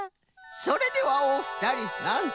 それではおふたりさん